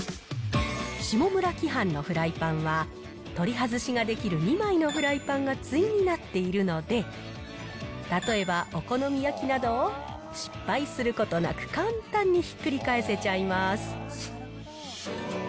下村企販のフライパンは、取り外しができる２枚のフライパンが対になっているので、例えばお好み焼きなどを、失敗することなく、簡単にひっくり返せちゃいます。